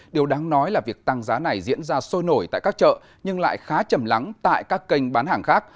điều đáng nói là việc tăng giá này diễn ra sôi nổi tại các chợ nhưng lại khá chầm lắng tại các kênh bán hàng khác